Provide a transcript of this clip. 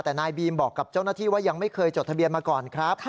แต่นายบีมบอกกับเจ้าหน้าที่ว่ายังไม่เคยจดทะเบียนมาก่อนครับ